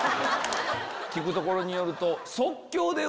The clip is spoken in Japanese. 聞くところによると。